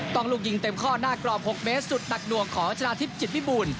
ต้องลูกหญิงเต็มข้อหน้ากรอบ๖เมตรสุดหนักหน่วงของราชนาธิบจิตมิบูล